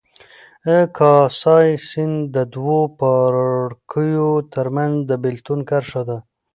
کاسای سیند د دوو پاړکیو ترمنځ د بېلتون کرښه ده.